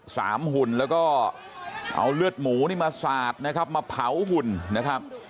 หุ่นแล้วก็เอาเลือดหมูนี่มาสาดนะครับมาเผาหุ่นนะครับ